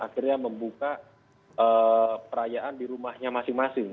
akhirnya membuka perayaan di rumahnya masing masing